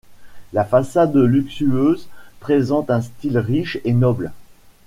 La façade luxueuse présente un style riche et noble.